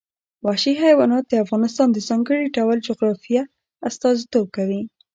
وحشي حیوانات د افغانستان د ځانګړي ډول جغرافیه استازیتوب کوي.